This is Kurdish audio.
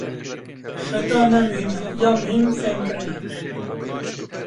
Xeta ne muhîm e, ya muhîm fêmkirin e.